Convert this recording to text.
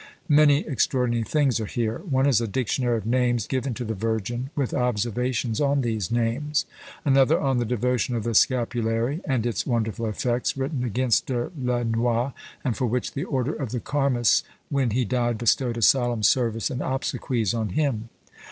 Many extraordinary things are here. One is a dictionary of names given to the Virgin, with observations on these names. Another on the devotion of the scapulary, and its wonderful effects, written against De Launoi, and for which the order of the Carmes, when he died, bestowed a solemn service and obsequies on him.